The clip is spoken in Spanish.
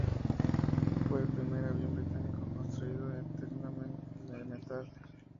Fue el primer avión británico construido enteramente de metal.